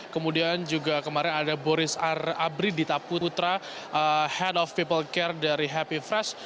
kemudian juga kemarin ada boris ar abri dita putra head of people care dari happy fresh